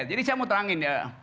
jadi saya mau terangin ya